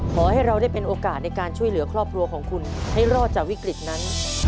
ขอให้เราได้เป็นโอกาสในการช่วยเหลือครอบครัวของคุณให้รอดจากวิกฤตนั้น